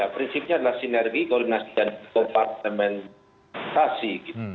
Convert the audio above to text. prinsipnya adalah sinergi koordinasi dan kompartementasi